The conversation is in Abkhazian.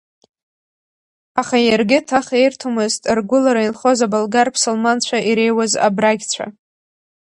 Аха иаргьы ҭаха ирҭомызт ргәылара инхоз аболгар ԥсылманцәа иреиуаз абрагьцәа.